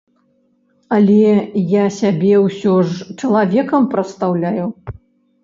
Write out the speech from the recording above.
Але я сябе ўсё ж чалавекам прадстаўляю.